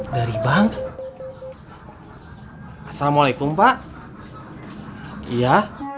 terima kasih ya